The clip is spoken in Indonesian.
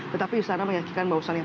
tetapi istana meyakinkan bahwasannya